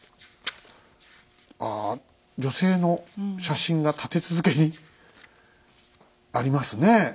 ああ女性の写真が立て続けにありますね。